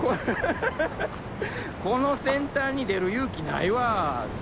この先端に出る勇気ないわ！